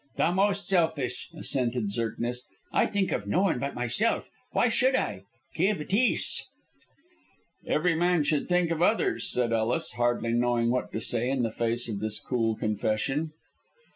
"The most selfish!" assented Zirknitz. "I think of no one by myself. Why should I? Quelle bêtise." "Every man should think of others!" said Ellis, hardly knowing what to say in the face of this cool confession.